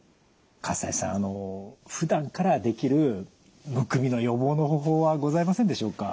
西さんふだんからできるむくみの予防の方法はございませんでしょうか？